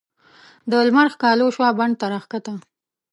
د لمر ښکالو شوه بڼ ته راکښته